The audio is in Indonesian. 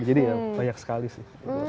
jadi ya banyak sekali sih